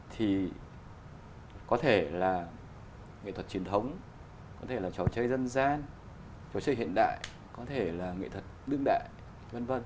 thì có thể là nghệ thuật truyền thống có thể là trò chơi dân gian trò chơi hiện đại có thể là nghệ thuật đương đại v v